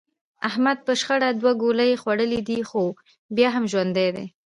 احمد په شخړه کې دوه ګولۍ خوړلې دي، خو بیا هم ژوندی دی.